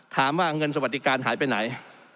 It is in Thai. ถามว่าเงินสวัสดิการหายไปไหน